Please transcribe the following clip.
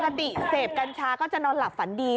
เสพกัญชาก็จะนอนหลับฝันดี